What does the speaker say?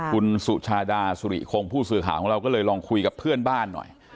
คุณสุชาดาสุริคงผู้สื่อข่าวของเราก็เลยลองคุยกับเพื่อนบ้านหน่อย